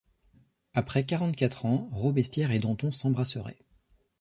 Après quarante-quatre ans, Robespierre et Danton s’embrasseraient.